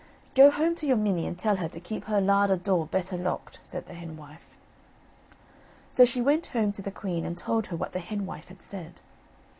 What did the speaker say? "Go home to your minnie and tell her to keep her larder door better locked," said the henwife. So she went home to the queen and told her what the henwife had said.